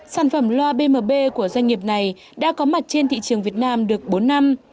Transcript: sản phẩm loa bmb của doanh nghiệp này đã có mặt trên thị trường việt nam được bốn năm